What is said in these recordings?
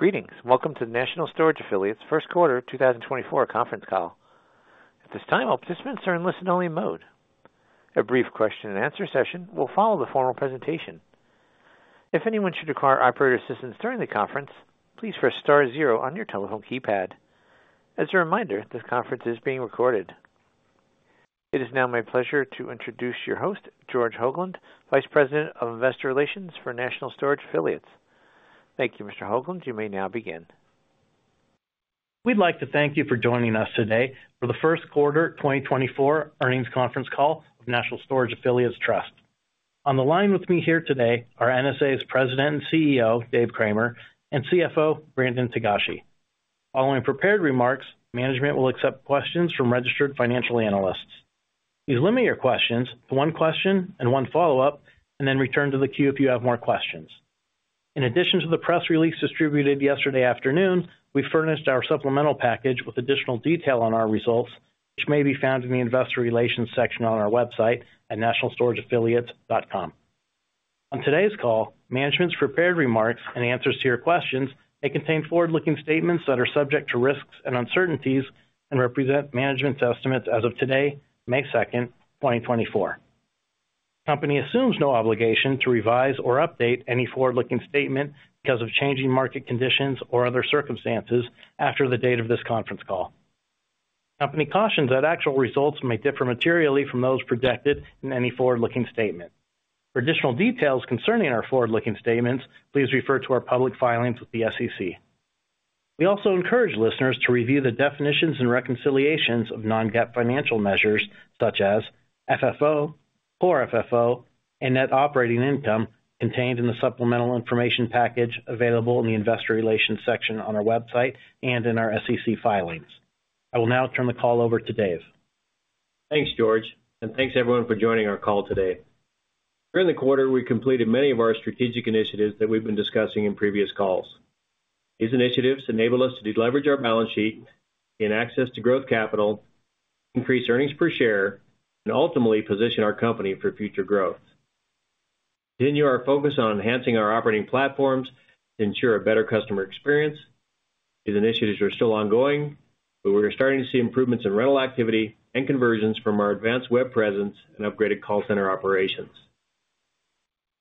Greetings. Welcome to the National Storage Affiliates first quarter 2024 conference call. At this time, all participants are in listen-only mode. A brief question and answer session will follow the formal presentation. If anyone should require operator assistance during the conference, please press star zero on your telephone keypad. As a reminder, this conference is being recorded. It is now my pleasure to introduce your host, George Hoglund, Vice President of Investor Relations for National Storage Affiliates. Thank you, Mr. Hoglund. You may now begin. We'd like to thank you for joining us today for the first quarter 2024 earnings conference call of National Storage Affiliates Trust. On the line with me here today are NSA's President and CEO, Dave Cramer, and CFO, Brandon Togashi. Following prepared remarks, management will accept questions from registered financial analysts. Please limit your questions to one question and one follow-up, and then return to the queue if you have more questions. In addition to the press release distributed yesterday afternoon, we furnished our supplemental package with additional detail on our results, which may be found in the Investor Relations section on our website at nationalstorageaffiliates.com. On today's call, management's prepared remarks and answers to your questions may contain forward-looking statements that are subject to risks and uncertainties and represent management's estimates as of today, May 2, 2024. Company assumes no obligation to revise or update any forward-looking statement because of changing market conditions or other circumstances after the date of this conference call. Company cautions that actual results may differ materially from those projected in any forward-looking statement. For additional details concerning our forward-looking statements, please refer to our public filings with the SEC. We also encourage listeners to review the definitions and reconciliations of non-GAAP financial measures such as FFO, core FFO, and net operating income contained in the supplemental information package available in the Investor Relations section on our website and in our SEC filings. I will now turn the call over to Dave. Thanks, George, and thanks everyone for joining our call today. During the quarter, we completed many of our strategic initiatives that we've been discussing in previous calls. These initiatives enable us to deleverage our balance sheet, gain access to growth capital, increase earnings per share, and ultimately position our company for future growth. To continue our focus on enhancing our operating platforms to ensure a better customer experience, these initiatives are still ongoing, but we're starting to see improvements in rental activity and conversions from our advanced web presence and upgraded call center operations.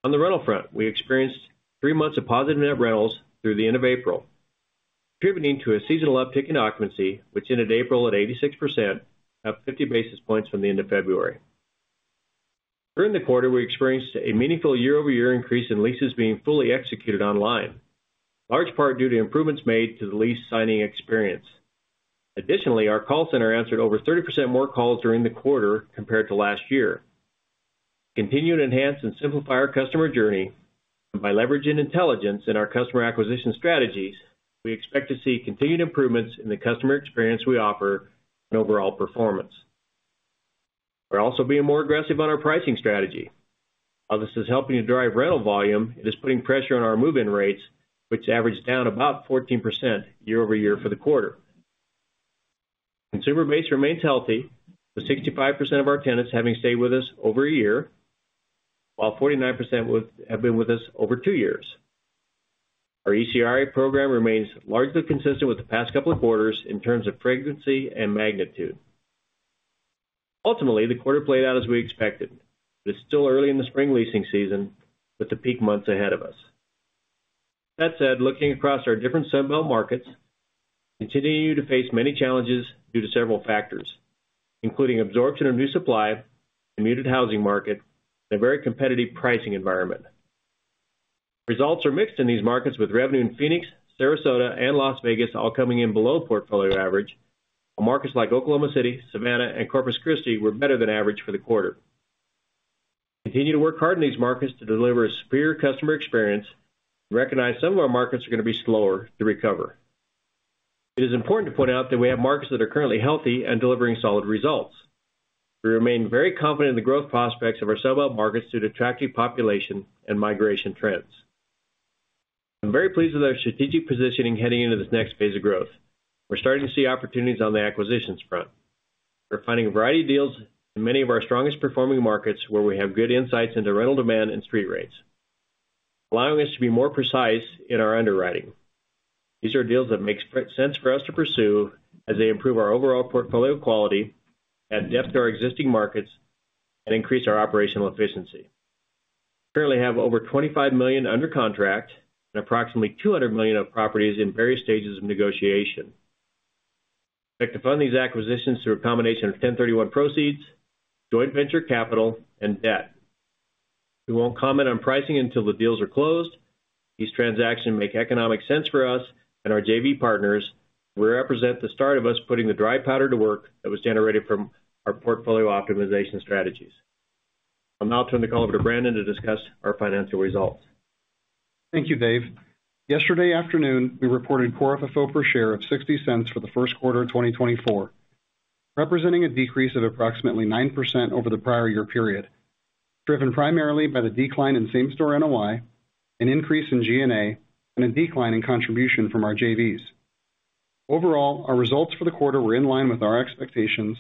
On the rental front, we experienced three months of positive net rentals through the end of April, contributing to a seasonal uptick in occupancy, which ended April at 86%, up 50 basis points from the end of February. During the quarter, we experienced a meaningful year-over-year increase in leases being fully executed online, large part due to improvements made to the lease signing experience. Additionally, our call center answered over 30% more calls during the quarter compared to last year. To continue to enhance and simplify our customer journey by leveraging intelligence in our customer acquisition strategies, we expect to see continued improvements in the customer experience we offer and overall performance. We're also being more aggressive on our pricing strategy. While this is helping to drive rental volume, it is putting pressure on our move-in rates, which averaged down about 14% year-over-year for the quarter. Consumer base remains healthy, with 65% of our tenants having stayed with us over a year, while 49% have been with us over two years. Our ECRI program remains largely consistent with the past couple of quarters in terms of frequency and magnitude. Ultimately, the quarter played out as we expected. It's still early in the spring leasing season, with the peak months ahead of us. That said, looking across our different Sunbelt markets, continue to face many challenges due to several factors, including absorption of new supply, a muted housing market, and a very competitive pricing environment. Results are mixed in these markets, with revenue in Phoenix, Sarasota, and Las Vegas all coming in below portfolio average, while markets like Oklahoma City, Savannah, and Corpus Christi were better than average for the quarter. Continue to work hard in these markets to deliver a superior customer experience, recognize some of our markets are going to be slower to recover. It is important to point out that we have markets that are currently healthy and delivering solid results. We remain very confident in the growth prospects of our Sun Belt markets due to attractive population and migration trends. I'm very pleased with our strategic positioning heading into this next phase of growth. We're starting to see opportunities on the acquisitions front. We're finding a variety of deals in many of our strongest performing markets, where we have good insights into rental demand and street rates, allowing us to be more precise in our underwriting. These are deals that make sense for us to pursue as they improve our overall portfolio quality, add depth to our existing markets, and increase our operational efficiency. Currently have over $25 million under contract and approximately $200 million of properties in various stages of negotiation. Expect to fund these acquisitions through a combination of 1031 proceeds, joint venture capital, and debt. We won't comment on pricing until the deals are closed. These transactions make economic sense for us and our JV partners. They will represent the start of us putting the dry powder to work that was generated from our portfolio optimization strategies. I'll now turn the call over to Brandon to discuss our financial results. Thank you, Dave. Yesterday afternoon, we reported Core FFO per share of $0.60 for the first quarter of 2024, representing a decrease of approximately 9% over the prior year period, driven primarily by the decline in same-store NOI, an increase in G&A, and a decline in contribution from our JVs. ...Overall, our results for the quarter were in line with our expectations,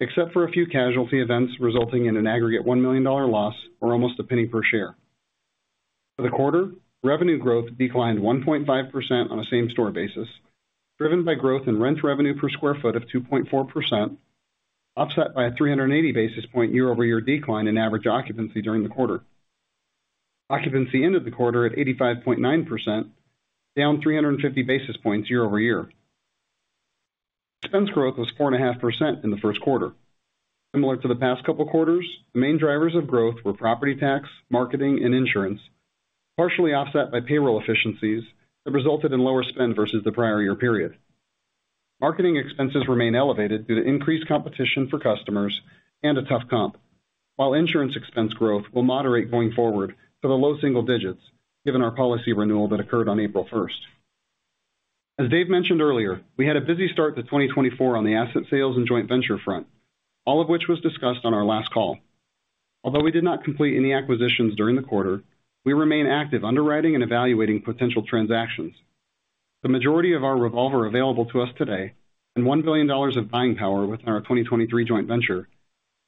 except for a few casualty events resulting in an aggregate $1 million loss, or almost $0.01 per share. For the quarter, revenue growth declined 1.5% on a same-store basis, driven by growth in rent revenue per square foot of 2.4%, offset by a 380 basis point year-over-year decline in average occupancy during the quarter. Occupancy ended the quarter at 85.9%, down 350 basis points year-over-year. Expense growth was 4.5% in the first quarter. Similar to the past couple quarters, the main drivers of growth were property tax, marketing, and insurance, partially offset by payroll efficiencies that resulted in lower spend versus the prior year period. Marketing expenses remain elevated due to increased competition for customers and a tough comp, while insurance expense growth will moderate going forward to the low single digits, given our policy renewal that occurred on April first. As Dave mentioned earlier, we had a busy start to 2024 on the asset sales and joint venture front, all of which was discussed on our last call. Although we did not complete any acquisitions during the quarter, we remain active underwriting and evaluating potential transactions. The majority of our revolver available to us today and $1 billion of buying power within our 2023 joint venture,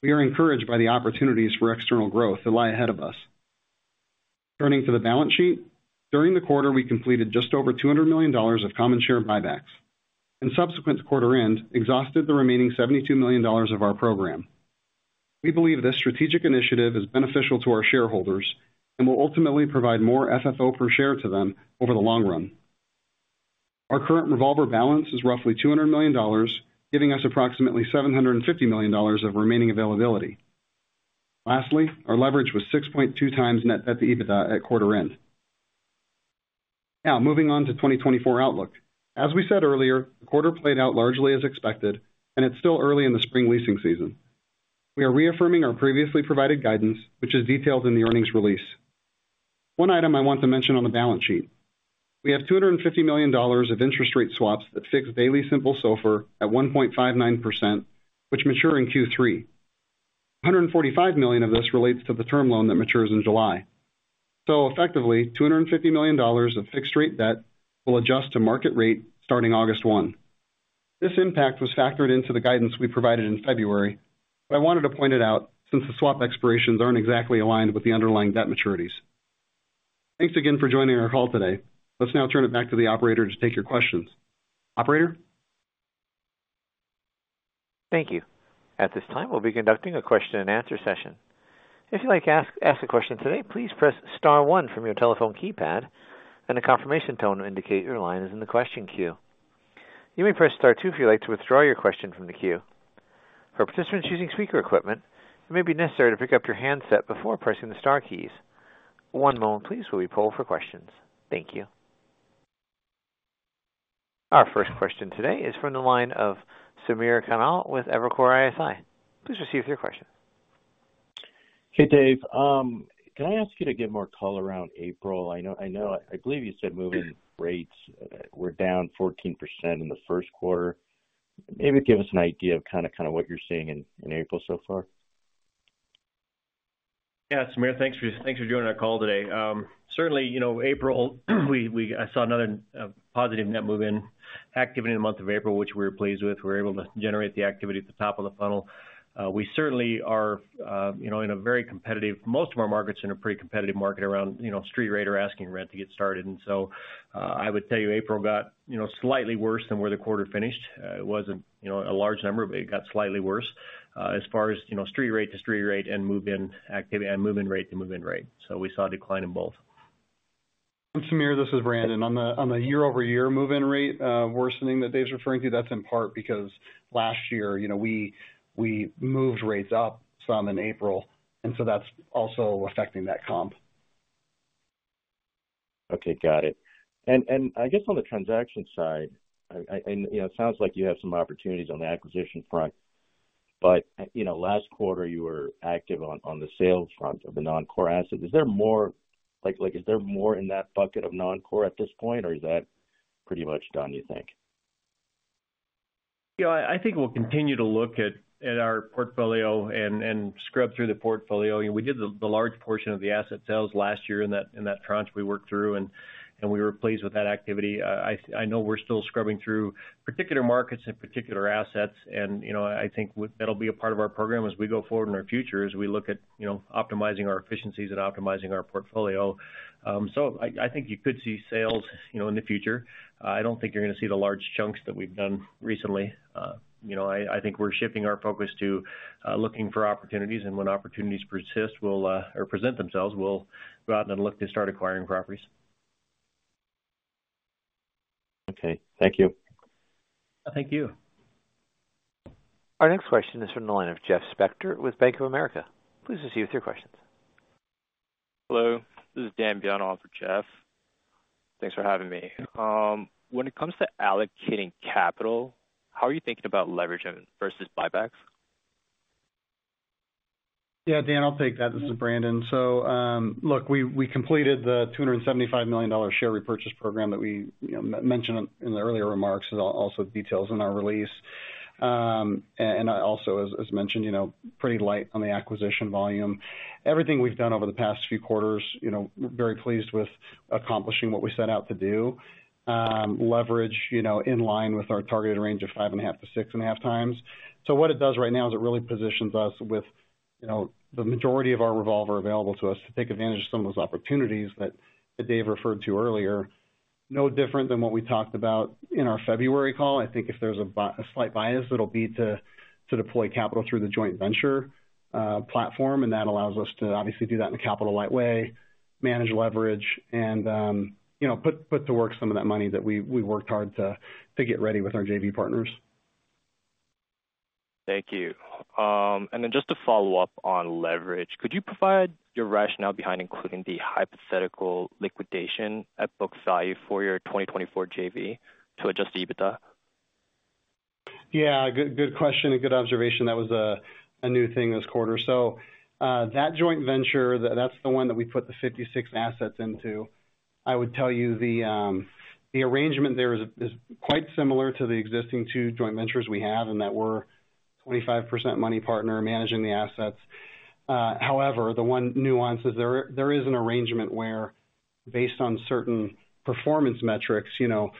we are encouraged by the opportunities for external growth that lie ahead of us. Turning to the balance sheet, during the quarter, we completed just over $200 million of common share buybacks, and subsequent to quarter end, exhausted the remaining $72 million of our program. We believe this strategic initiative is beneficial to our shareholders and will ultimately provide more FFO per share to them over the long run. Our current revolver balance is roughly $200 million, giving us approximately $750 million of remaining availability. Lastly, our leverage was 6.2x net debt to EBITDA at quarter end. Now, moving on to 2024 outlook. As we said earlier, the quarter played out largely as expected, and it's still early in the spring leasing season. We are reaffirming our previously provided guidance, which is detailed in the earnings release. One item I want to mention on the balance sheet. We have $250 million of interest rate swaps that fix daily simple SOFR at 1.59%, which mature in Q3. $145 million of this relates to the term loan that matures in July. So effectively, $250 million of fixed-rate debt will adjust to market rate starting August 1. This impact was factored into the guidance we provided in February, but I wanted to point it out since the swap expirations aren't exactly aligned with the underlying debt maturities. Thanks again for joining our call today. Let's now turn it back to the operator to take your questions. Operator? Thank you. At this time, we'll be conducting a question-and-answer session. If you'd like to ask, ask a question today, please press star one from your telephone keypad, and a confirmation tone will indicate your line is in the question queue. You may press star two if you'd like to withdraw your question from the queue. For participants using speaker equipment, it may be necessary to pick up your handset before pressing the star keys. One moment please, while we poll for questions. Thank you. Our first question today is from the line of Samir Khanal with Evercore ISI. Please proceed with your question. Hey, Dave, can I ask you to give more color around April? I know, I know—I believe you said move-in rates were down 14% in the first quarter. Maybe give us an idea of kind of, kind of what you're seeing in, in April so far. Yeah, Samir, thanks for joining our call today. Certainly, you know, April, we saw another positive net move-in activity in the month of April, which we were pleased with. We were able to generate the activity at the top of the funnel. We certainly are, you know, in a very competitive... Most of our market's in a pretty competitive market around, you know, street rate or asking rent to get started. And so, I would tell you, April got, you know, slightly worse than where the quarter finished. It wasn't, you know, a large number, but it got slightly worse, as far as, you know, street rate to street rate and move-in activity, and move-in rate to move-in rate. So we saw a decline in both. Samir, this is Brandon. On the year-over-year move-in rate worsening that Dave's referring to, that's in part because last year, you know, we moved rates up some in April, and so that's also affecting that comp. Okay, got it. And I guess on the transaction side, you know, it sounds like you have some opportunities on the acquisition front, but you know, last quarter, you were active on the sales front of the non-core asset. Is there more, like, is there more in that bucket of non-core at this point, or is that pretty much done, you think? Yeah, I think we'll continue to look at our portfolio and scrub through the portfolio. You know, we did the large portion of the asset sales last year in that tranche we worked through, and we were pleased with that activity. I know we're still scrubbing through particular markets and particular assets, and, you know, I think that'll be a part of our program as we go forward in our future, as we look at, you know, optimizing our efficiencies and optimizing our portfolio. So I think you could see sales, you know, in the future. I don't think you're gonna see the large chunks that we've done recently. You know, I think we're shifting our focus to looking for opportunities, and when opportunities present themselves, we'll go out and look to start acquiring properties. Okay. Thank you. Thank you. Our next question is from the line of Jeff Spector with Bank of America. Please proceed with your questions. Hello, this is Dan Byun for Jeff. Thanks for having me. When it comes to allocating capital, how are you thinking about leverage versus buybacks? Yeah, Dan, I'll take that. This is Brandon. So, look, we, we completed the $275 million share repurchase program that we, you know, mentioned in the earlier remarks, and also detailed in our release. And, and I also, as, as mentioned, you know, pretty light on the acquisition volume. Everything we've done over the past few quarters, you know, we're very pleased with accomplishing what we set out to do. Leverage, you know, in line with our targeted range of 5.5x-6.5x. So what it does right now is it really positions us with, you know, the majority of our revolver available to us to take advantage of some of those opportunities that, that Dave referred to earlier. No different than what we talked about in our February call. I think if there's a slight bias, it'll be to deploy capital through the joint venture platform, and that allows us to obviously do that in a capital-light way, manage leverage, and you know, put to work some of that money that we worked hard to get ready with our JV partners. Thank you. And then just to follow up on leverage, could you provide your rationale behind including the hypothetical liquidation at book value for your 2024 JV to adjust the EBITDA? Yeah, good, good question, and good observation. That was a new thing this quarter. So, that joint venture, that's the one that we put the 56 assets into. I would tell you, the arrangement there is quite similar to the existing two joint ventures we have in that we're 25% money partner managing the assets. However, the one nuance is there is an arrangement where, based on certain performance metrics, you know,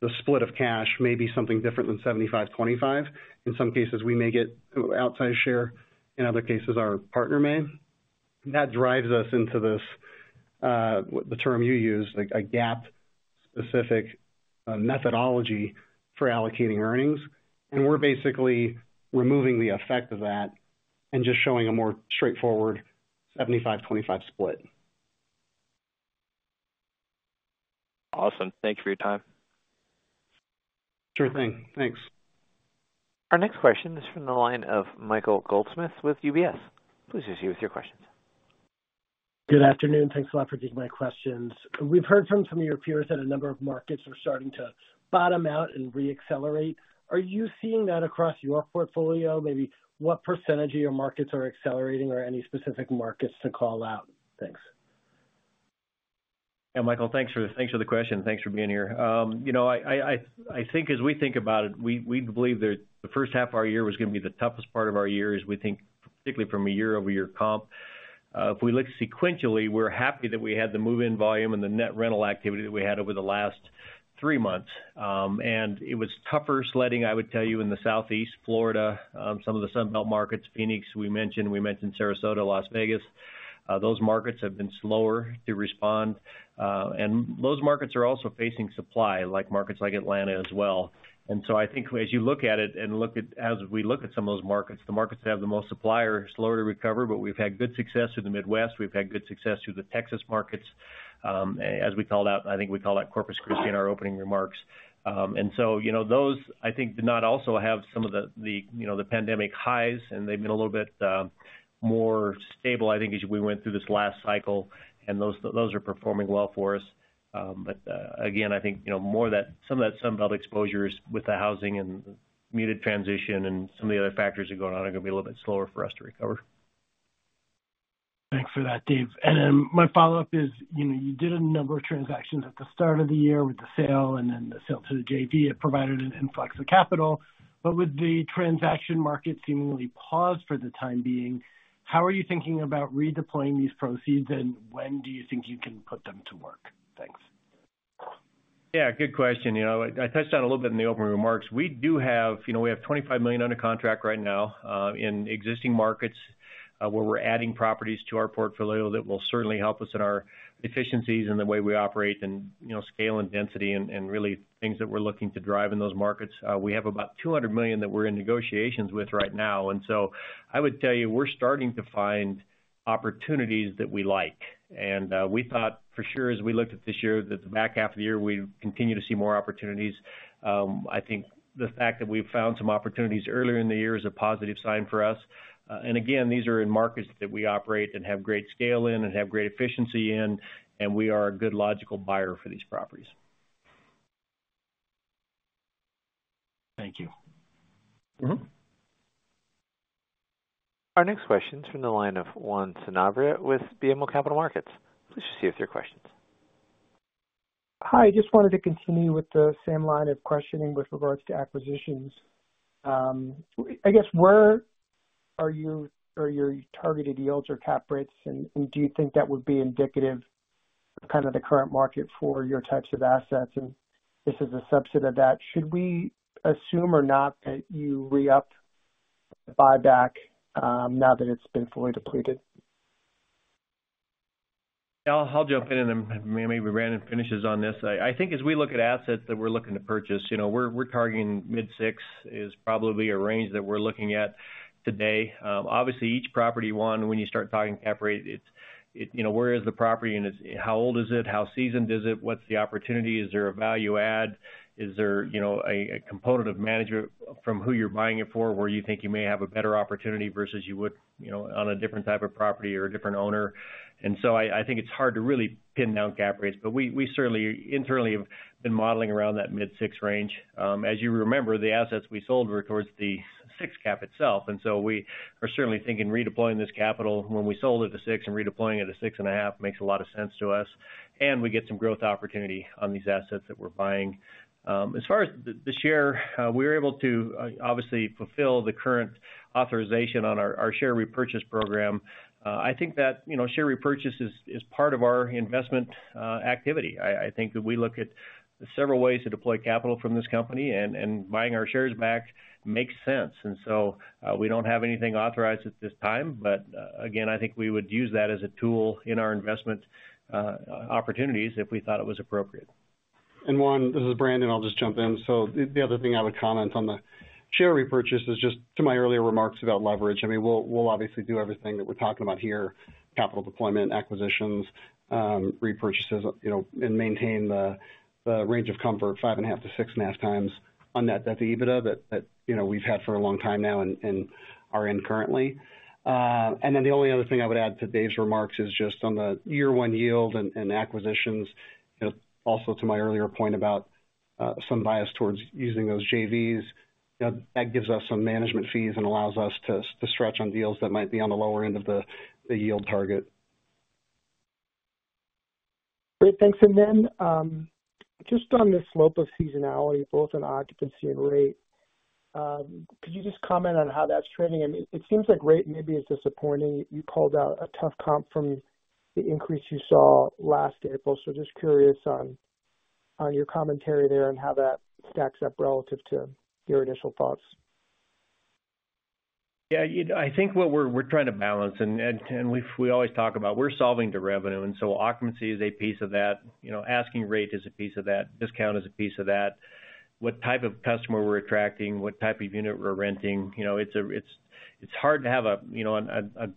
the split of cash may be something different than 75%, 25%. In some cases, we may get outside share; in other cases, our partner may. That drives us into this, the term you used, like a GAAP-specific methodology for allocating earnings. And we're basically removing the effect of that and just showing a more straightforward 75%, 25% split. Awesome. Thank you for your time. Sure thing. Thanks. Our next question is from the line of Michael Goldsmith with UBS. Please proceed with your questions. Good afternoon. Thanks a lot for taking my questions. We've heard from some of your peers that a number of markets are starting to bottom out and reaccelerate. Are you seeing that across your portfolio? Maybe what percentage of your markets are accelerating or any specific markets to call out? Thanks. Yeah, Michael, thanks for, thanks for the question. Thanks for being here. You know, I think as we think about it, we believe that the first half of our year was going to be the toughest part of our year, as we think, particularly from a year-over-year comp. If we look sequentially, we're happy that we had the move-in volume and the net rental activity that we had over the last three months. And it was tougher sledding, I would tell you, in the Southeast, Florida, some of the Sun Belt markets. Phoenix, we mentioned. We mentioned Sarasota, Las Vegas. Those markets have been slower to respond, and those markets are also facing supply, like markets like Atlanta as well. And so I think as you look at it and look at... As we look at some of those markets, the markets that have the most supply are slower to recover, but we've had good success through the Midwest. We've had good success through the Texas markets, as we called out, I think we call out Corpus Christi in our opening remarks. And so, you know, those, I think, did not also have some of the, you know, the pandemic highs, and they've been a little bit more stable, I think, as we went through this last cycle, and those are performing well for us. But, again, I think, you know, more of that, some of that Sun Belt exposures with the housing and muted transition and some of the other factors that are going on are going to be a little bit slower for us to recover. Thanks for that, Dave. And then my follow-up is, you know, you did a number of transactions at the start of the year with the sale and then the sale to the JV. It provided an influx of capital, but with the transaction market seemingly paused for the time being, how are you thinking about redeploying these proceeds, and when do you think you can put them to work? Thanks. Yeah, good question. You know, I touched on it a little bit in the opening remarks. We do have... you know, we have $25 million under contract right now, in existing markets, where we're adding properties to our portfolio that will certainly help us in our efficiencies and the way we operate and, you know, scale and density and, and really things that we're looking to drive in those markets. We have about $200 million that we're in negotiations with right now, and so I would tell you, we're starting to find opportunities that we like. And, we thought for sure, as we looked at this year, that the back half of the year, we'd continue to see more opportunities. I think the fact that we've found some opportunities earlier in the year is a positive sign for us. And again, these are in markets that we operate and have great scale in and have great efficiency in, and we are a good logical buyer for these properties. Thank you. Mm-hmm. Our next question is from the line of Juan Sanabria with BMO Capital Markets. Please proceed with your questions. Hi, just wanted to continue with the same line of questioning with regards to acquisitions. I guess, where are you-- are your targeted yields or cap rates, and, and do you think that would be indicative of kind of the current market for your types of assets? And this is a subset of that: Should we assume or not that you reup buyback, now that it's been fully depleted? I'll jump in and then maybe Brandon finishes on this. I think as we look at assets that we're looking to purchase, you know, we're targeting mid-six is probably a range that we're looking at today. Obviously, each property, when you start talking cap rate, it's you know, where is the property and it's, how old is it? How seasoned is it? What's the opportunity? Is there a value add? Is there, you know, a component of management from who you're buying it for, where you think you may have a better opportunity versus you would, you know, on a different type of property or a different owner? And so I think it's hard to really pin down cap rates, but we certainly internally have been modeling around that mid-six range. As you remember, the assets we sold were towards the 6 cap itself, and so we are certainly thinking redeploying this capital when we sold it to 6 and redeploying it to 6.5 makes a lot of sense to us, and we get some growth opportunity on these assets that we're buying. As far as the share, we're able to obviously fulfill the current authorization on our share repurchase program. I think that, you know, share repurchase is part of our investment activity. I think that we look at several ways to deploy capital from this company, and buying our shares back makes sense. And so, we don't have anything authorized at this time, but, again, I think we would use that as a tool in our investment opportunities if we thought it was appropriate. And one, this is Brandon, I'll just jump in. So the, the other thing I would comment on the share repurchase is just to my earlier remarks about leverage. I mean, we'll, we'll obviously do everything that we're talking about here, capital deployment, acquisitions, repurchases, you know, and maintain the, the range of comfort, 5.5x-6.5x on Net Debt to EBITDA, that, that, you know, we've had for a long time now and, and are in currently. And then the only other thing I would add to Dave's remarks is just on the year one yield and acquisitions, you know, also to my earlier point about some bias towards using those JVs, you know, that gives us some management fees and allows us to stretch on deals that might be on the lower end of the yield target. Great. Thanks. And then, just on the slope of seasonality, both on occupancy and rate, could you just comment on how that's trending? I mean, it seems like rate maybe is disappointing. You called out a tough comp from the increase you saw last April. So just curious on, on your commentary there and how that stacks up relative to your initial thoughts. Yeah, I think what we're trying to balance, and we always talk about we're solving to revenue, and so occupancy is a piece of that, you know, asking rate is a piece of that, discount is a piece of that, what type of customer we're attracting, what type of unit we're renting, you know, it's hard to have a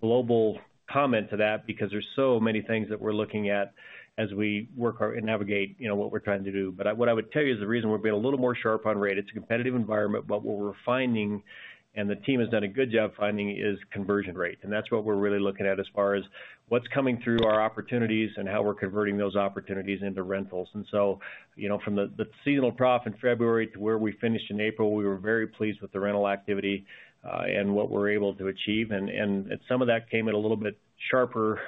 global comment to that because there's so many things that we're looking at as we work hard and navigate, you know, what we're trying to do. But what I would tell you is the reason we're being a little more sharp on rate. It's a competitive environment, but what we're finding, and the team has done a good job finding, is conversion rate. And that's what we're really looking at as far as what's coming through our opportunities and how we're converting those opportunities into rentals. And so, you know, from the seasonal drop in February to where we finished in April, we were very pleased with the rental activity, and what we're able to achieve. And some of that came at a little bit sharper,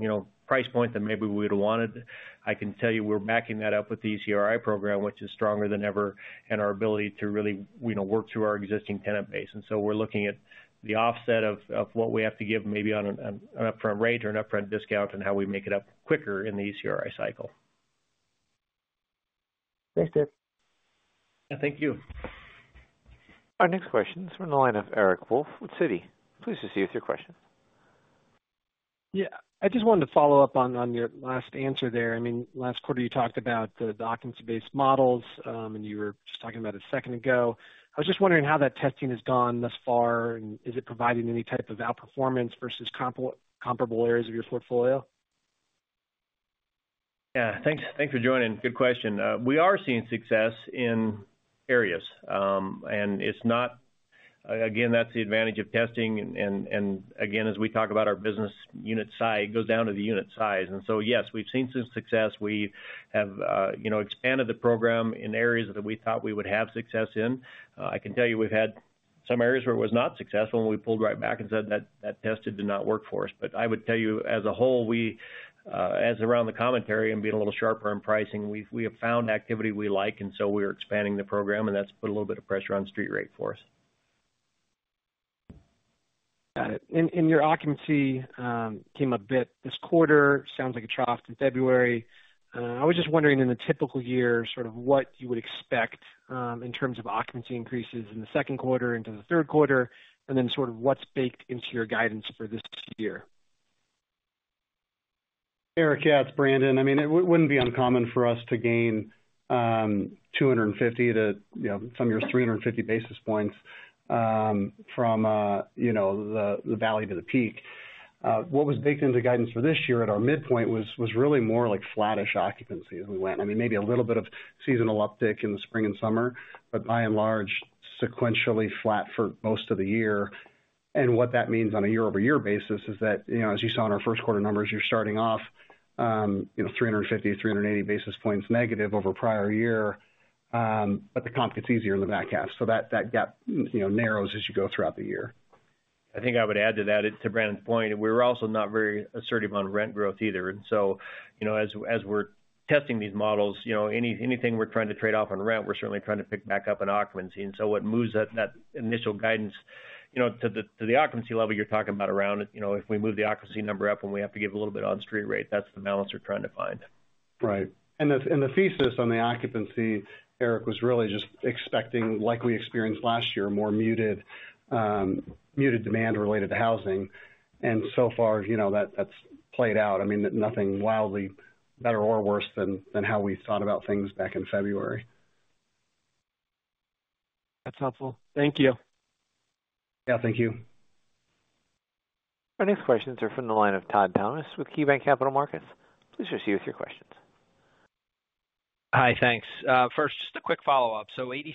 you know, price point than maybe we would have wanted. I can tell you, we're backing that up with the ECRI program, which is stronger than ever, and our ability to really, you know, work through our existing tenant base. And so we're looking at the offset of what we have to give maybe on an upfront rate or an upfront discount and how we make it up quicker in the ECRI cycle. Thanks, Dave. Yeah, thank you. Our next question is from the line of Eric Wolfe with Citi. Please proceed with your question. Yeah. I just wanted to follow up on your last answer there. I mean, last quarter, you talked about the occupancy-based models, and you were just talking about it a second ago. I was just wondering how that testing has gone thus far, and is it providing any type of outperformance versus comparable areas of your portfolio? Yeah. Thanks, thanks for joining. Good question. We are seeing success in areas, and it's not... Again, that's the advantage of testing. And, and, again, as we talk about our business unit size, it goes down to the unit size. And so, yes, we've seen some success. We have, you know, expanded the program in areas that we thought we would have success in. I can tell you we've had some areas where it was not successful, and we pulled right back and said that that tested did not work for us. But I would tell you, as a whole, we, as around the commentary and being a little sharper on pricing, we've, we have found activity we like, and so we're expanding the program, and that's put a little bit of pressure on street rate for us. Got it. And your occupancy came a bit this quarter, sounds like a trough in February. I was just wondering, in a typical year, sort of what you would expect in terms of occupancy increases in the second quarter into the third quarter, and then sort of what's baked into your guidance for this year? Eric, yeah, it's Brandon. I mean, it wouldn't be uncommon for us to gain, 250 basis point to, you know, some years, 350 basis points, from, you know, the valley to the peak. What was baked into guidance for this year at our midpoint was really more like flattish occupancy as we went. I mean, maybe a little bit of seasonal uptick in the spring and summer, but by and large, sequentially flat for most of the year. What that means on a year-over-year basis is that, you know, as you saw in our first quarter numbers, you're starting off, you know, 350-380 basis points negative over prior year, but the comp gets easier in the back half, so that, that gap, you know, narrows as you go throughout the year. I think I would add to that, to Brandon's point, we're also not very assertive on rent growth either. And so, you know, as we're testing these models, you know, anything we're trying to trade off on rent, we're certainly trying to pick back up on occupancy. And so what moves that initial guidance, you know, to the occupancy level you're talking about around, you know, if we move the occupancy number up and we have to give a little bit on street rate, that's the balance we're trying to find. Right. And the thesis on the occupancy, Eric, was really just expecting likely experience last year, more muted muted demand related to housing. And so far, you know, that's played out. I mean, nothing wildly better or worse than how we thought about things back in February. That's helpful. Thank you. Yeah, thank you. Our next questions are from the line of Todd Thomas with KeyBanc Capital Markets. Please proceed with your questions. Hi, thanks. First, just a quick follow-up. So 86%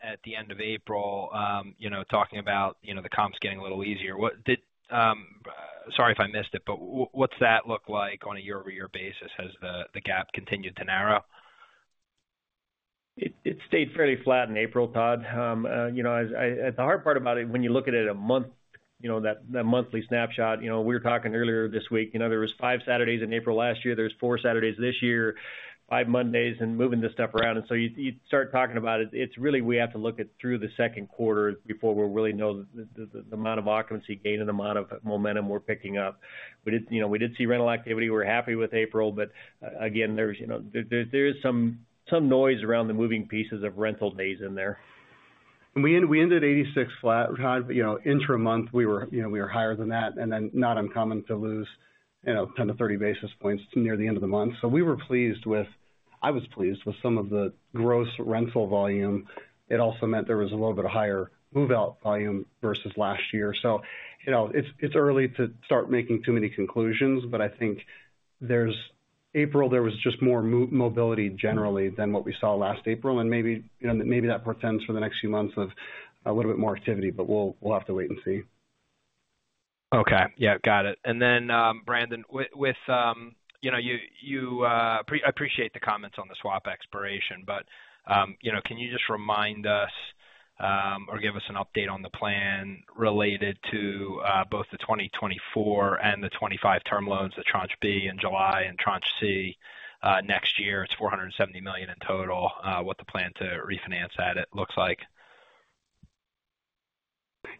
at the end of April, you know, talking about, you know, the comps getting a little easier. What did... Sorry if I missed it, but what's that look like on a year-over-year basis? Has the gap continued to narrow? ... It stayed fairly flat in April, Todd. You know, the hard part about it, when you look at it a month, you know, that monthly snapshot, you know, we were talking earlier this week, you know, there was five Saturdays in April last year, there was four Saturdays this year, five Mondays, and moving this stuff around. And so you start talking about it, it's really we have to look at through the second quarter before we'll really know the amount of occupancy gain and amount of momentum we're picking up. We did, you know, we did see rental activity. We're happy with April, but again, there's, you know, there is some noise around the moving pieces of rental days in there. And we ended 86 flat, Todd. You know, intra-month, we were, you know, we were higher than that, and then not uncommon to lose, you know, 10-30 basis points near the end of the month. So we were pleased with... I was pleased with some of the gross rental volume. It also meant there was a little bit of higher move-out volume versus last year. So, you know, it's, it's early to start making too many conclusions, but I think there's April, there was just more mobility generally than what we saw last April, and maybe, you know, maybe that portends for the next few months of a little bit more activity, but we'll, we'll have to wait and see. Okay. Yeah, got it. And then, Brandon, with, you know, you, you... I appreciate the comments on the swap expiration, but, you know, can you just remind us, or give us an update on the plan related to, both the 2024 and the 2025 term loans, the Tranche B in July and Tranche C, next year? It's $470 million in total, what the plan to refinance that it looks like.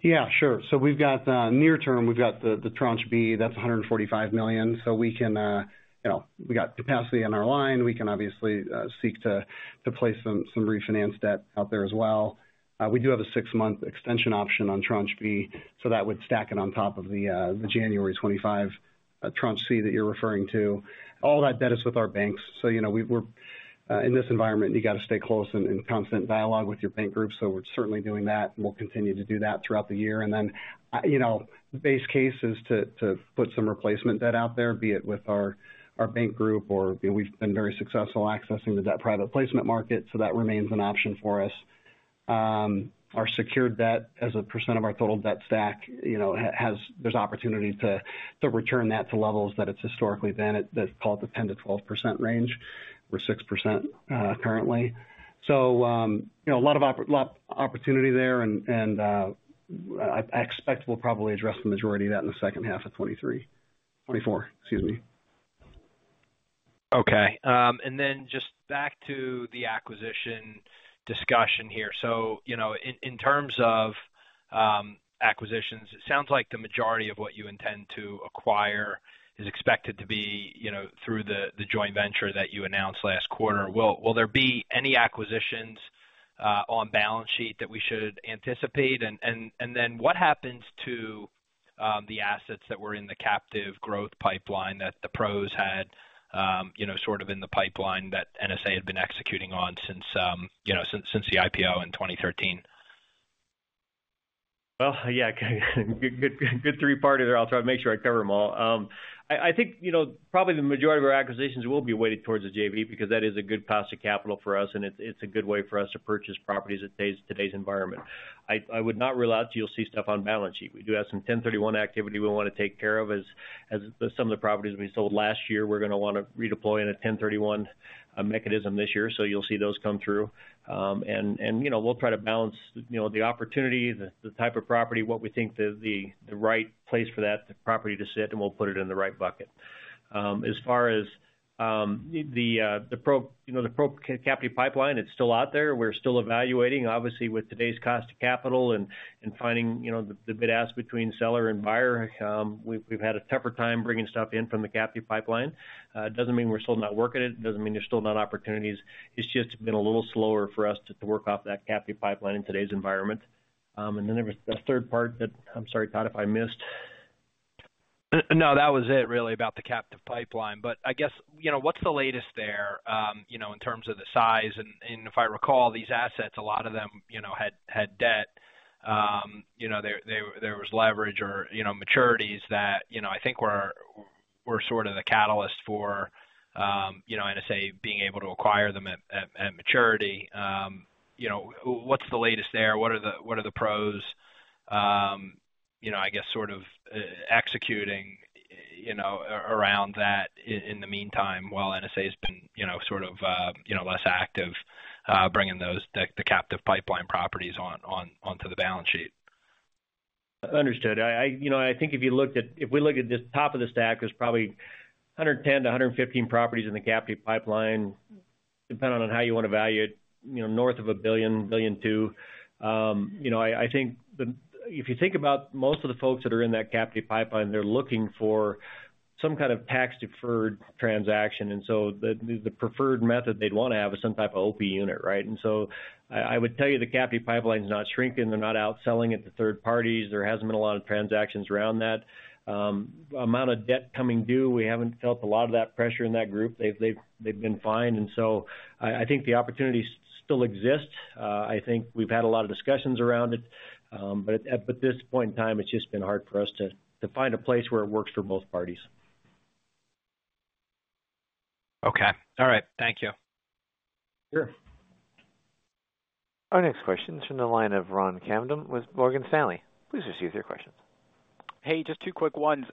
Yeah, sure. So we've got, near term, we've got the Tranche B, that's $145 million. So we can, you know, we got capacity in our line. We can obviously seek to place some refinance debt out there as well. We do have a six-month extension option on Tranche B, so that would stack it on top of the January 2025 Tranche C that you're referring to. All that debt is with our banks, so, you know, we're in this environment, you got to stay close and constant dialogue with your bank group. So we're certainly doing that, and we'll continue to do that throughout the year. And then, you know, base case is to put some replacement debt out there, be it with our bank group or, you know, we've been very successful accessing the debt private placement market, so that remains an option for us. Our secured debt as a percent of our total debt stack, you know, has—there's opportunity to return that to levels that it's historically been at, that call it the 10%-12% range. We're 6%, currently. So, you know, a lot of opportunity there, and, I expect we'll probably address the majority of that in the second half of 2023, 2024, excuse me. Okay. And then just back to the acquisition discussion here. So, you know, in, in terms of, acquisitions, it sounds like the majority of what you intend to acquire is expected to be, you know, through the, the joint venture that you announced last quarter. Will, will there be any acquisitions, on balance sheet that we should anticipate? And, and, and then what happens to, the assets that were in the captive growth pipeline that the PROs had, you know, sort of in the pipeline that NSA had been executing on since, you know, since, since the IPO in 2013? Well, yeah, good, good, good three-parter there. I'll try to make sure I cover them all. I think, you know, probably the majority of our acquisitions will be weighted towards the JV because that is a good passive capital for us, and it's a good way for us to purchase properties at today's environment. I would not rule out that you'll see stuff on balance sheet. We do have some 1031 activity we wanna take care of as some of the properties we sold last year, we're gonna wanna redeploy in a 1031 mechanism this year, so you'll see those come through. And, you know, we'll try to balance, you know, the opportunity, the type of property, what we think the right place for that property to sit, and we'll put it in the right bucket. As far as the PRO captive pipeline, it's still out there. We're still evaluating, obviously, with today's cost of capital and finding, you know, the bid ask between seller and buyer, we've had a tougher time bringing stuff in from the captive pipeline. It doesn't mean we're still not working it, it doesn't mean there's still not opportunities. It's just been a little slower for us to work off that captive pipeline in today's environment. And then there was the third part that... I'm sorry, Todd, if I missed. No, that was it, really, about the captive pipeline. But I guess, you know, what's the latest there, you know, in terms of the size? And if I recall, these assets, a lot of them, you know, had debt. You know, there was leverage or, you know, maturities that, you know, I think were sort of the catalyst for, you know, NSA being able to acquire them at maturity. You know, what's the latest there? What are the PROs, you know, I guess, sort of, executing, you know, around that in the meantime, while NSA has been, you know, sort of, you know, less active, bringing those, the captive pipeline properties onto the balance sheet? Understood. You know, I think if we look at the top of the stack, there's probably 110-115 properties in the captive pipeline, depending on how you want to value it, you know, north of $1 billion-$1.2 billion. You know, I think if you think about most of the folks that are in that Captive Pipeline, they're looking for some kind of tax-deferred transaction, and so the preferred method they'd want to have is some type of OP Unit, right? And so I would tell you, the Captive Pipeline is not shrinking. They're not out selling it to third parties. There hasn't been a lot of transactions around that. Amount of debt coming due, we haven't felt a lot of that pressure in that group. They've been fine, and so I think the opportunities still exist. I think we've had a lot of discussions around it, but at this point in time, it's just been hard for us to find a place where it works for both parties. Okay. All right. Thank you. Sure. Our next question is from the line of Ron Kamdem with Morgan Stanley. Please proceed with your questions. Hey, just two quick ones.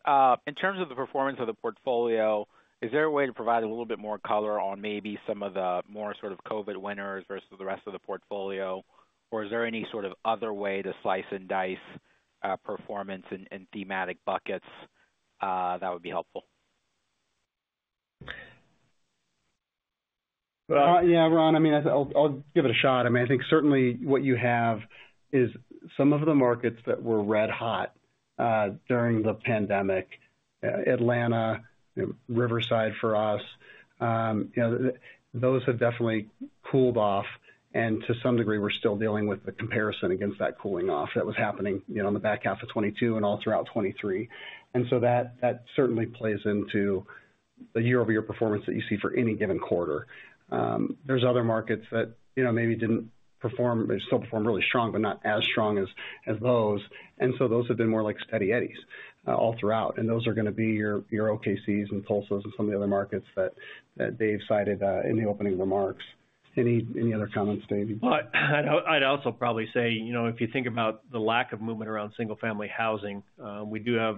In terms of the performance of the portfolio, is there a way to provide a little bit more color on maybe some of the more sort of COVID winners versus the rest of the portfolio? Or is there any sort of other way to slice and dice performance in thematic buckets that would be helpful? Well, yeah, Ron, I mean, I'll give it a shot. I mean, I think certainly what you have is some of the markets that were red hot during the pandemic, Atlanta, Riverside, for us, you know, those have definitely cooled off, and to some degree, we're still dealing with the comparison against that cooling off that was happening, you know, in the back half of 2022 and all throughout 2023. And so that certainly plays into the year-over-year performance that you see for any given quarter. There's other markets that, you know, maybe didn't perform, but still performed really strong, but not as strong as those. And so those have been more like steady Eddies all throughout, and those are gonna be your OKCs and Tulsas and some of the other markets that Dave cited in the opening remarks. Any other comments, Dave? Well, I'd also probably say, you know, if you think about the lack of movement around single-family housing, we do have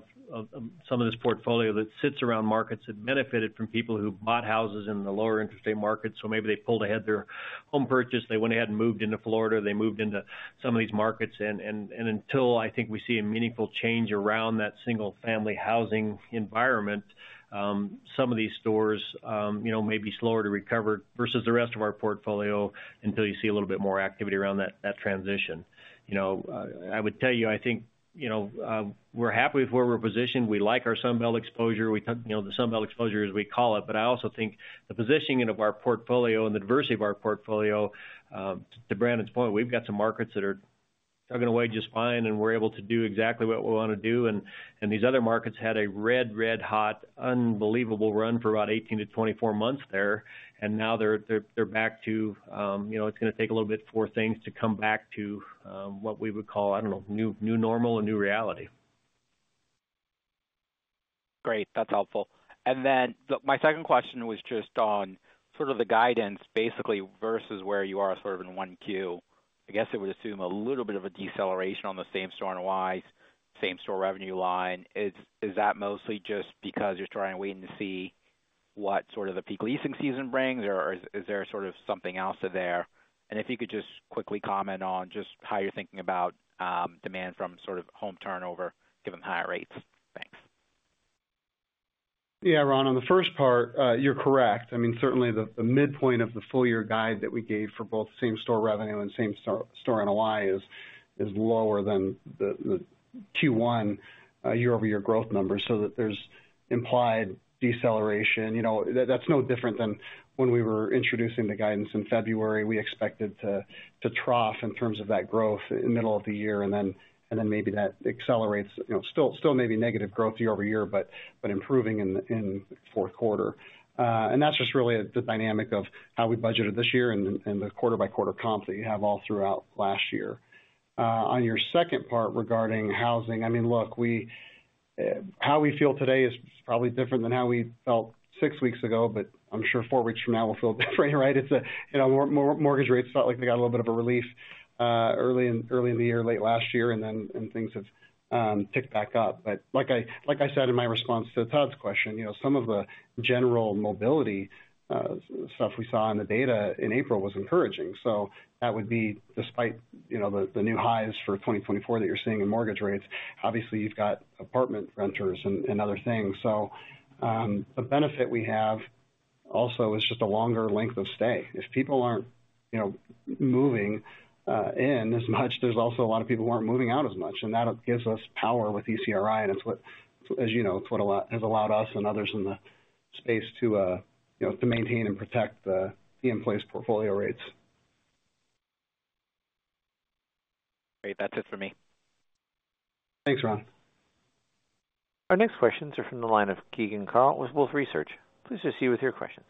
some of this portfolio that sits around markets that benefited from people who bought houses in the lower interest rate markets. So maybe they pulled ahead their home purchase, they went ahead and moved into Florida, they moved into some of these markets. And until I think we see a meaningful change around that single-family housing environment, some of these stores, you know, may be slower to recover versus the rest of our portfolio, until you see a little bit more activity around that transition. You know, I would tell you, I think, you know, we're happy with where we're positioned. We like our Sun Belt exposure. You know, the Sun Belt exposure, as we call it. But I also think the positioning of our portfolio and the diversity of our portfolio, to Brandon's point, we've got some markets that are chugging away just fine, and we're able to do exactly what we wanna do. And these other markets had a red, red hot, unbelievable run for about 18-24 months there, and now they're back to, you know, it's gonna take a little bit for things to come back to, what we would call, I don't know, new normal or new reality. Great. That's helpful. And then the... My second question was just on sort of the guidance, basically, versus where you are sort of in 1Q. I guess it would assume a little bit of a deceleration on the same-store NOI, same-store revenue line. Is that mostly just because you're trying to wait to see what sort of the peak leasing season brings, or is there sort of something else there? And if you could just quickly comment on just how you're thinking about demand from sort of home turnover, given the higher rates. Thanks. Yeah, Ron, on the first part, you're correct. I mean, certainly the midpoint of the full year guide that we gave for both same-store revenue and same-store NOI is lower than the Q1 year-over-year growth numbers, so that there's implied deceleration. You know, that's no different than when we were introducing the guidance in February. We expected to trough in terms of that growth in middle of the year, and then maybe that accelerates, you know, still maybe negative growth year-over-year, but improving in fourth quarter. And that's just really the dynamic of how we budgeted this year and the quarter-by-quarter comp that you have all throughout last year. On your second part, regarding housing, I mean, look, we... How we feel today is probably different than how we felt six weeks ago, but I'm sure four weeks from now will feel different, right? It's a, you know, mortgage rates felt like they got a little bit of a relief, early in the year, late last year, and then, and things have, ticked back up. But like I, like I said in my response to Todd's question, you know, some of the general mobility, stuff we saw in the data in April was encouraging. So that would be despite, you know, the, the new highs for 2024 that you're seeing in mortgage rates. Obviously, you've got apartment renters and, and other things. So, the benefit we have also is just a longer length of stay. If people aren't, you know, moving in as much, there's also a lot of people who aren't moving out as much, and that gives us power with ECRI, and it's what, as you know, it's what has allowed us and others in the space to, you know, to maintain and protect the in-place portfolio rates. Great. That's it for me. Thanks, Ron. Our next questions are from the line of Keegan Carl with Wolfe Research. Please proceed with your questions.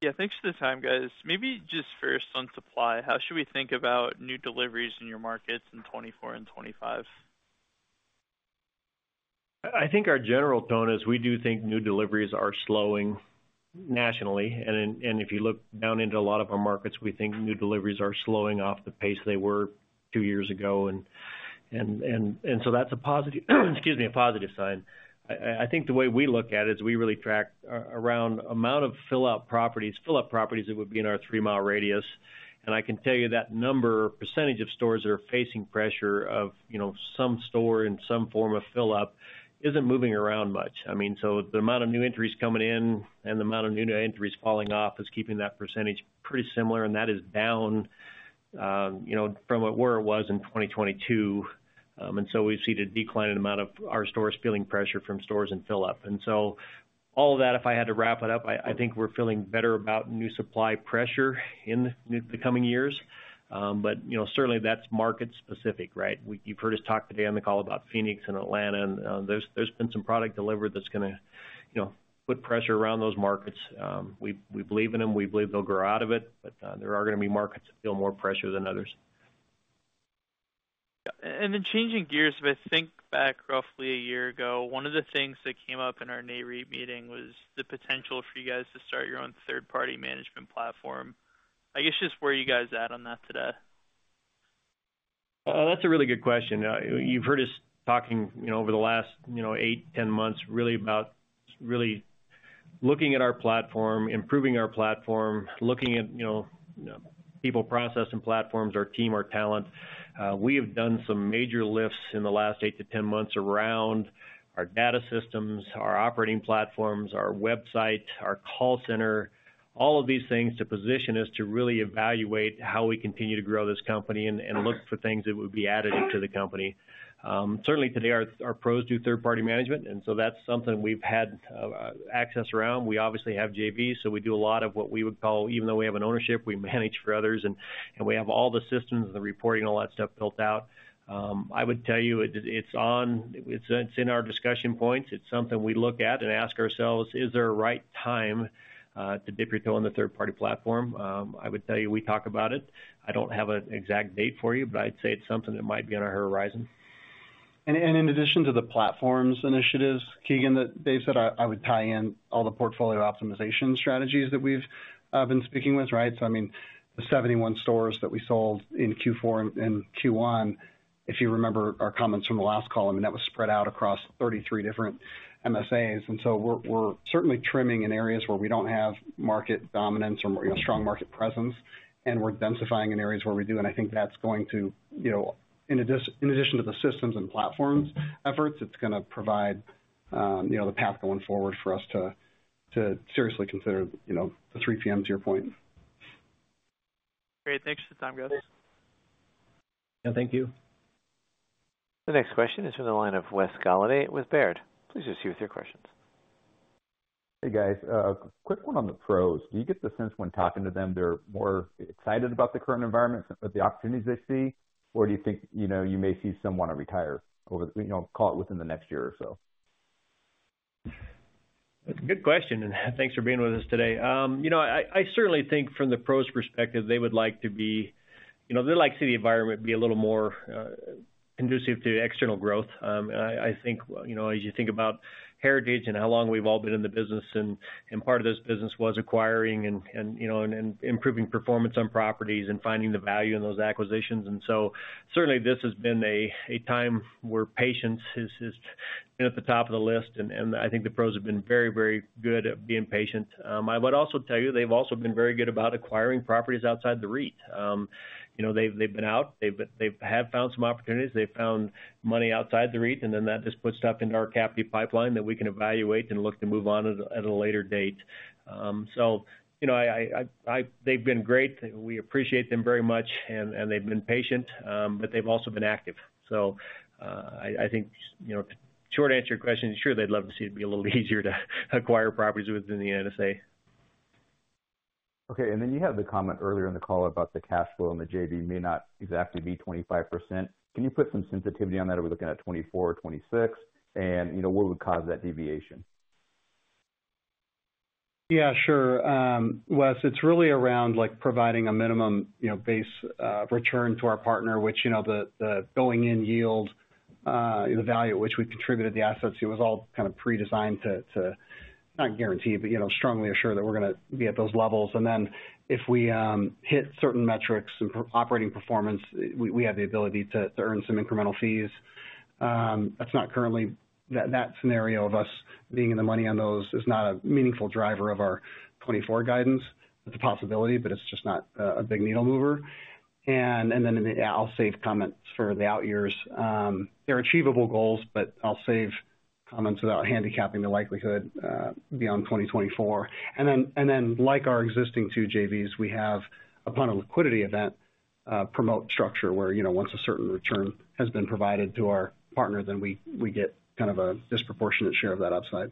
Yeah, thanks for the time, guys. Maybe just first on supply, how should we think about new deliveries in your markets in 2024 and 2025? I think our general tone is we do think new deliveries are slowing nationally, and then... And if you look down into a lot of our markets, we think new deliveries are slowing off the pace they were two years ago, and so that's a positive, excuse me, a positive sign. I think the way we look at it is we really track around amount of fill-up properties, fill-up properties that would be in our three-mile radius. And I can tell you that number, percentage of stores that are facing pressure of, you know, some store and some form of fill up, isn't moving around much. I mean, so the amount of new entries coming in and the amount of new entries falling off is keeping that percentage pretty similar, and that is down, you know, from where it was in 2022. And so we've seen a decline in amount of our stores feeling pressure from stores and fill up. And so all of that, if I had to wrap it up, I think we're feeling better about new supply pressure in the coming years. But, you know, certainly that's market specific, right? You've heard us talk today on the call about Phoenix and Atlanta, and there's been some product delivered that's gonna, you know, put pressure around those markets. We believe in them. We believe they'll grow out of it, but there are gonna be markets that feel more pressure than others. ... And then changing gears, if I think back roughly a year ago, one of the things that came up in our NAREIT meeting was the potential for you guys to start your own third-party management platform. I guess, just where are you guys at on that today? That's a really good question. You've heard us talking, you know, over the last, you know, eight, 10 months, really about really looking at our platform, improving our platform, looking at, you know, people, process, and platforms, our team, our talent. We have done some major lifts in the last eight to 10 months around our data systems, our operating platforms, our website, our call center, all of these things to position us to really evaluate how we continue to grow this company and, and look for things that would be additive to the company. Certainly today, our PROs do third-party management, and so that's something we've had access around. We obviously have JVs, so we do a lot of what we would call, even though we have an ownership, we manage for others, and we have all the systems and the reporting, all that stuff built out. I would tell you, it's on. It's in our discussion points. It's something we look at and ask ourselves: Is there a right time to dip your toe in the third-party platform? I would tell you, we talk about it. I don't have an exact date for you, but I'd say it's something that might be on our horizon. In addition to the platforms initiatives, Keegan, that Dave said, I would tie in all the portfolio optimization strategies that we've been speaking with, right? So I mean, the 71 stores that we sold in Q4 and Q1, if you remember our comments from the last call, I mean, that was spread out across 33 different MSAs. And so we're certainly trimming in areas where we don't have market dominance or, you know, strong market presence, and we're densifying in areas where we do. And I think that's going to, you know, in addition to the systems and platforms efforts, it's gonna provide, you know, the path going forward for us to seriously consider, you know, the 3PMs, to your point. Great. Thanks for the time, guys. Yeah, thank you. The next question is from the line of Wes Golladay with Baird. Please proceed with your questions. Hey, guys. Quick one on the pros. Do you get the sense when talking to them, they're more excited about the current environment, the opportunities they see? Or do you think, you know, you may see someone retire or, you know, call it within the next year or so? Good question, and thanks for being with us today. You know, I certainly think from the pros' perspective, they would like to be... You know, they'd like to see the environment be a little more conducive to external growth. And I think, you know, as you think about Heritage and how long we've all been in the business and part of this business was acquiring and, you know, improving performance on properties and finding the value in those acquisitions. And so certainly this has been a time where patience has been at the top of the list, and I think the PROs have been very, very good at being patient. I would also tell you, they've also been very good about acquiring properties outside the REIT. You know, they've been out, they have found some opportunities, they've found money outside the REIT, and then that just puts stuff into our Captive Pipeline that we can evaluate and look to move on at a later date. So, you know, they've been great. We appreciate them very much, and they've been patient, but they've also been active. So, I think, you know, short answer to your question, sure, they'd love to see it be a little easier to acquire properties within the NSA. Okay. And then you had the comment earlier in the call about the cash flow, and the JV may not exactly be 25%. Can you put some sensitivity on that? Are we looking at 24% or 26%? And, you know, what would cause that deviation? Yeah, sure. Wes, it's really around, like, providing a minimum, you know, base, return to our partner, which, you know, the, the going-in yield, the value at which we contributed the assets, it was all kind of pre-designed to, to, not guarantee, but, you know, strongly assure that we're gonna be at those levels. And then if we hit certain metrics and operating performance, we have the ability to earn some incremental fees. That's not currently... That scenario of us being in the money on those is not a meaningful driver of our 2024 guidance. It's a possibility, but it's just not a big needle mover. And then, yeah, I'll save comments for the out years. They're achievable goals, but I'll save comments without handicapping the likelihood beyond 2024. And then, like our existing two JVs, we have, upon a liquidity event, promote structure, where, you know, once a certain return has been provided to our partner, then we get kind of a disproportionate share of that upside.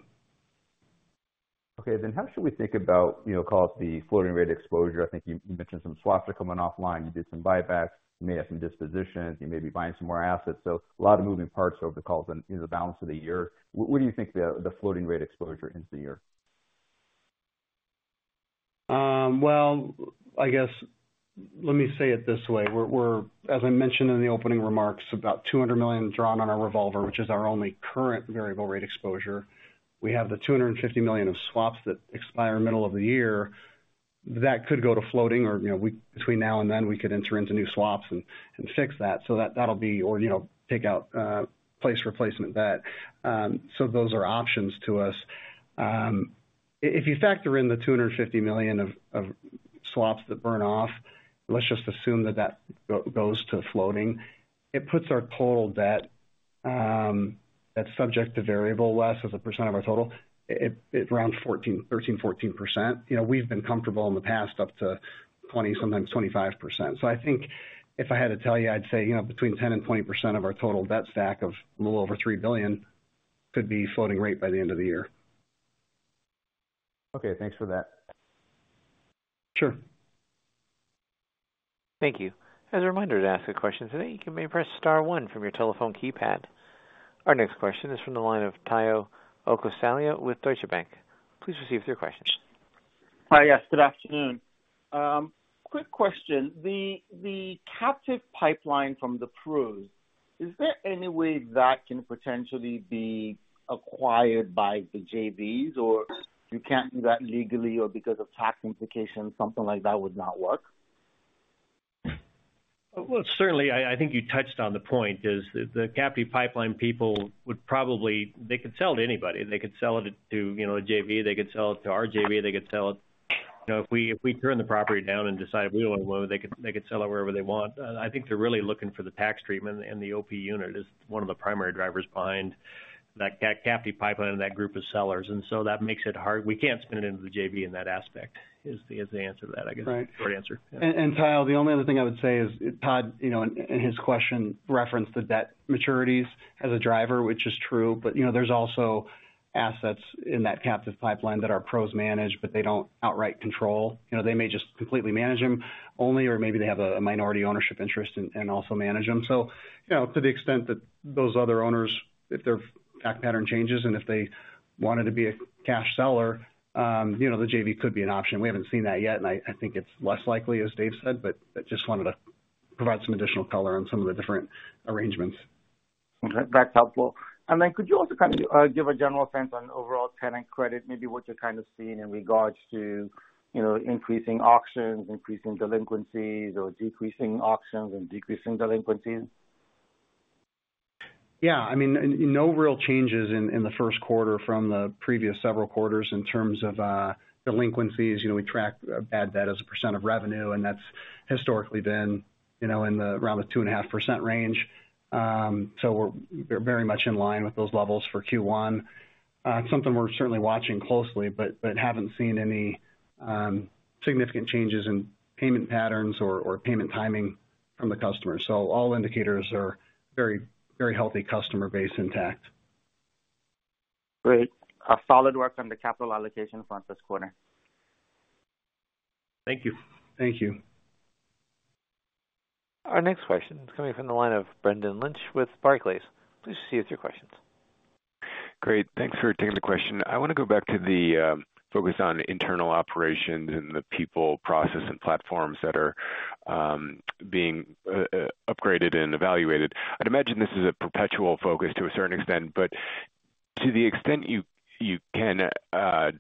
Okay, then how should we think about, you know, call it, the floating rate exposure? I think you mentioned some swaps are coming offline. You did some buybacks. You may have some dispositions. You may be buying some more assets. So a lot of moving parts over the course in the balance of the year. What do you think the floating rate exposure into the year? Well, I guess, let me say it this way: We're, as I mentioned in the opening remarks, about $200 million drawn on our revolver, which is our only current variable rate exposure. We have the $250 million of swaps that expire middle of the year. That could go to floating or, you know, between now and then, we could enter into new swaps and fix that. So that, that'll be... Or, you know, take out, replace the debt. So those are options to us. If you factor in the $250 million of swaps that burn off, let's just assume that goes to floating, it puts our total debt, that's subject to variable, Wes, as a percent of our total, it rounds 13%-14%. You know, we've been comfortable in the past up to 20%, sometimes 25%. So I think if I had to tell you, I'd say, you know, between 10% and 20% of our total debt stack of a little over $3 billion could be floating rate by the end of the year. Okay, thanks for that. Sure. Thank you. As a reminder, to ask a question today, you may press star one from your telephone keypad. Our next question is from the line of Tayo Okusanya with Deutsche Bank. Please receive your question. Hi, yes, good afternoon. Quick question. The captive pipeline from the PROs, is there any way that can potentially be acquired by the JVs, or you can't do that legally, or because of tax implications, something like that would not work? Well, certainly, I think you touched on the point, is the captive pipeline people would probably... They could sell to anybody. They could sell it to, you know, a JV, they could sell it to our JV, they could sell it-- You know, if we, if we turn the property down and decide we don't want it, they could, they could sell it wherever they want. I think they're really looking for the tax treatment, and the OP unit is one of the primary drivers behind that captive pipeline and that group of sellers. And so that makes it hard. We can't spin it into the JV in that aspect, is the answer to that, I guess. Right. Short answer. And Tayo, the only other thing I would say is, Todd, you know, in his question, referenced the debt maturities as a driver, which is true. But, you know, there's also assets in that Captive Pipeline that are PROs managed, but they don't outright control. You know, they may just completely manage them only, or maybe they have a minority ownership interest and also manage them. So, you know, to the extent that those other owners, if their fact pattern changes, and if they wanted to be a cash seller, you know, the JV could be an option. We haven't seen that yet, and I think it's less likely, as Dave said, but I just wanted to provide some additional color on some of the different arrangements. Okay. That's helpful. And then could you also kind of give a general sense on overall tenant credit, maybe what you're kind of seeing in regards to, you know, increasing auctions, increasing delinquencies, or decreasing auctions and decreasing delinquencies? Yeah, I mean, no real changes in the first quarter from the previous several quarters in terms of delinquencies. You know, we track bad debt as a percent of revenue, and that's historically been, you know, in and around the 2.5% range. So we're very much in line with those levels for Q1. It's something we're certainly watching closely, but haven't seen any significant changes in payment patterns or payment timing from the customer. So all indicators are very, very healthy customer base intact. Great. A solid work on the capital allocation front this quarter. Thank you. Thank you. Our next question is coming from the line of Brendan Lynch with Barclays. Please see your questions. Great, thanks for taking the question. I want to go back to the focus on internal operations and the people, process, and platforms that are being upgraded and evaluated. I'd imagine this is a perpetual focus to a certain extent, but to the extent you can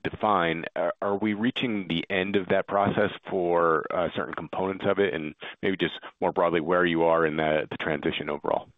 define, are we reaching the end of that process for certain components of it? And maybe just more broadly, where you are in the transition overall.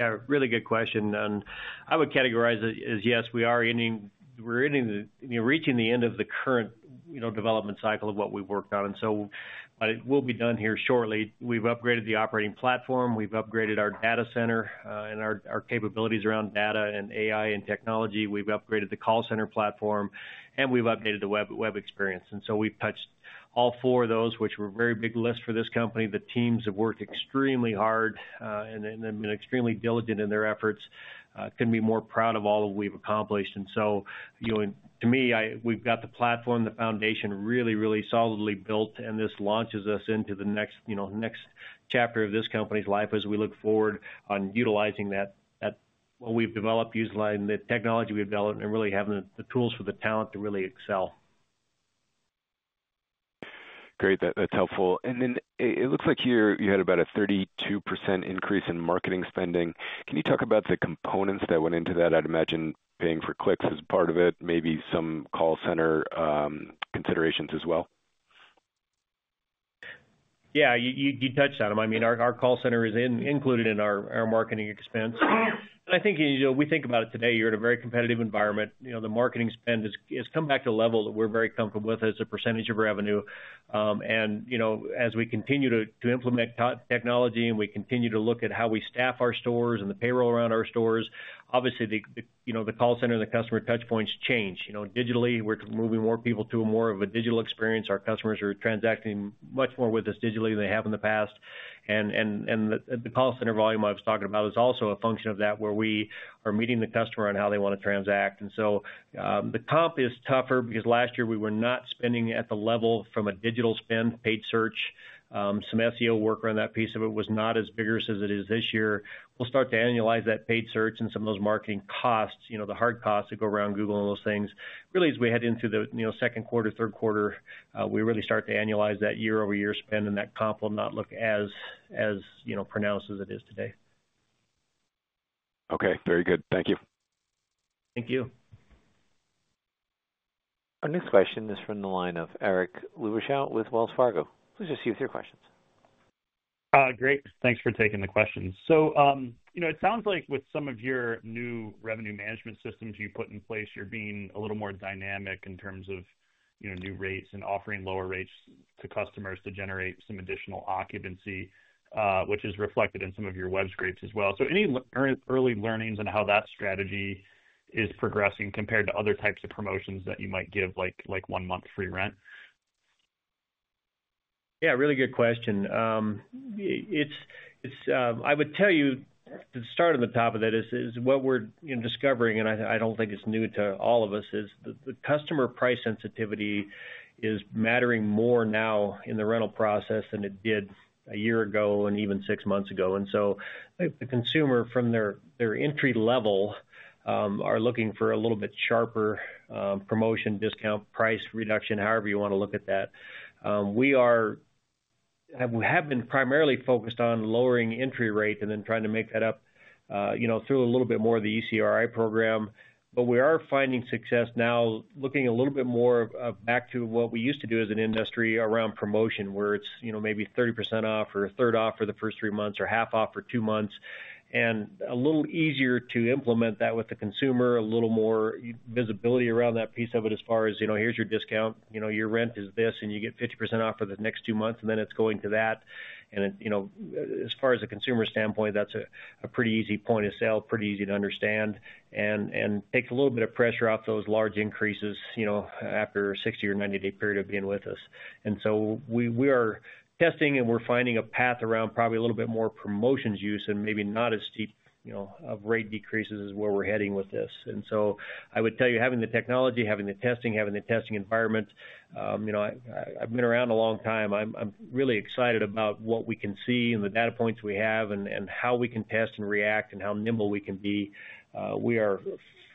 Yeah, really good question. And I would categorize it as, yes, we are ending. We're ending the - you know, reaching the end of the current, you know, development cycle of what we've worked on. And so - but it will be done here shortly. We've upgraded the operating platform, we've upgraded our data center, and our, our capabilities around data and AI and technology. We've upgraded the call center platform, and we've updated the web, web experience. And so we've touched all four of those, which were a very big list for this company. The teams have worked extremely hard, and they've been extremely diligent in their efforts, couldn't be more proud of all that we've accomplished. So, you know, to me, we've got the platform, the foundation, really, really solidly built, and this launches us into the next, you know, next chapter of this company's life as we look forward on utilizing that, that what we've developed, utilizing the technology we've developed, and really having the, the tools for the talent to really excel. Great. That, that's helpful. And then it looks like here you had about a 32% increase in marketing spending. Can you talk about the components that went into that? I'd imagine paying for clicks is part of it, maybe some call center considerations as well. Yeah, you touched on them. I mean, our call center is included in our marketing expense. And I think, you know, we think about it today, you're at a very competitive environment. You know, the marketing spend has come back to a level that we're very comfortable with as a percentage of revenue. And, you know, as we continue to implement technology, and we continue to look at how we staff our stores and the payroll around our stores, obviously, you know, the call center, the customer touchpoints change. You know, digitally, we're moving more people to a more of a digital experience. Our customers are transacting much more with us digitally than they have in the past. The call center volume I was talking about is also a function of that, where we are meeting the customer on how they want to transact. And so, the comp is tougher because last year we were not spending at the level from a digital spend, paid search. Some SEO work around that piece of it was not as big as it is this year. We'll start to annualize that paid search and some of those marketing costs, you know, the hard costs that go around Googling those things. Really, as we head into the, you know, second quarter, third quarter, we really start to annualize that year-over-year spend, and that comp will not look as, as, you know, pronounced as it is today. Okay, very good. Thank you. Thank you. Our next question is from the line of Eric Luebchow with Wells Fargo. Please proceed with your questions. Great, thanks for taking the question. So, you know, it sounds like with some of your new revenue management systems you put in place, you're being a little more dynamic in terms of, you know, new rates and offering lower rates to customers to generate some additional occupancy, which is reflected in some of your web scrapes as well. So any early learnings on how that strategy is progressing compared to other types of promotions that you might give, like, like one month free rent? Yeah, really good question. It's, it's, I would tell you, to start on the top of that is, is what we're, you know, discovering, and I don't think it's new to all of us, is the, the customer price sensitivity is mattering more now in the rental process than it did a year ago, and even six months ago. And so I think the consumer, from their entry level, are looking for a little bit sharper promotion, discount, price reduction, however you want to look at that. We have been primarily focused on lowering entry rate and then trying to make that up, you know, through a little bit more of the ECRI program. But we are finding success now, looking a little bit more of back to what we used to do as an industry around promotion, where it's, you know, maybe 30% off or a third off for the first three months or half off for two months. And a little easier to implement that with the consumer, a little more visibility around that piece of it as far as, you know, here's your discount, you know, your rent is this, and you get 50% off for the next two months, and then it's going to that. And, you know, as far as a consumer standpoint, that's a pretty easy point of sale, pretty easy to understand, and takes a little bit of pressure off those large increases, you know, after a 60- or 90-day period of being with us. So we are testing, and we're finding a path around probably a little bit more promotions use and maybe not as steep, you know, of rate decreases as where we're heading with this. So I would tell you, having the technology, having the testing, having the testing environment, you know, I've been around a long time. I'm really excited about what we can see and the data points we have and how we can test and react and how nimble we can be. We are,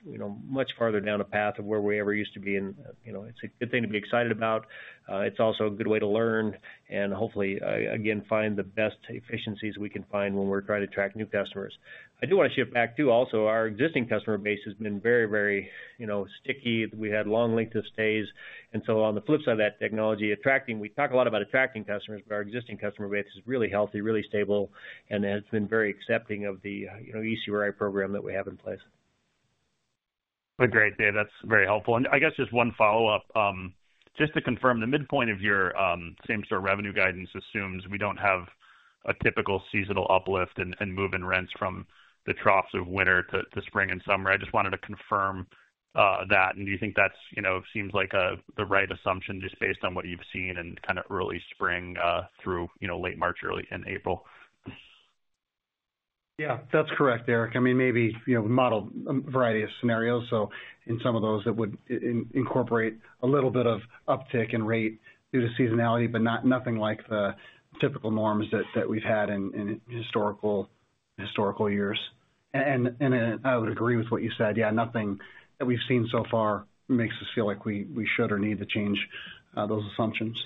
you know, much farther down a path of where we ever used to be, and, you know, it's a good thing to be excited about. It's also a good way to learn and hopefully, again, find the best efficiencies we can find when we're trying to attract new customers. I do want to shift back, too, also. Our existing customer base has been very, very, you know, sticky. We had long length of stays. And so on the flip side of that technology, attracting—we talk a lot about attracting customers, but our existing customer base is really healthy, really stable, and has been very accepting of the, you know, ECRI program that we have in place. Great, Dave. That's very helpful. And I guess just one follow-up, just to confirm, the midpoint of your same-store revenue guidance assumes we don't have a typical seasonal uplift in move-in rents from the troughs of winter to spring and summer. I just wanted to confirm that. And do you think that's, you know, seems like the right assumption, just based on what you've seen in kind of early spring through you know late March, early in April? Yeah, that's correct, Eric. I mean, maybe, you know, we modeled a variety of scenarios, so in some of those, it would incorporate a little bit of uptick in rate due to seasonality, but nothing like the typical norms that we've had in historical years. I would agree with what you said, yeah, nothing that we've seen so far makes us feel like we should or need to change those assumptions.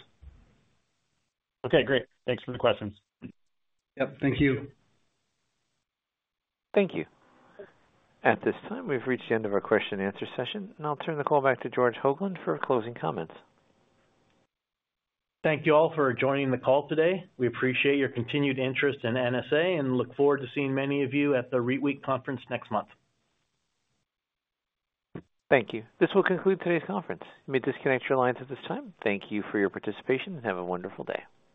Okay, great. Thanks for the questions. Yep, thank you. Thank you. At this time, we've reached the end of our question-and-answer session, and I'll turn the call back to George Hoglund for closing comments. Thank you all for joining the call today. We appreciate your continued interest in NSA and look forward to seeing many of you at the REITWeek conference next month. Thank you. This will conclude today's conference. You may disconnect your lines at this time. Thank you for your participation, and have a wonderful day.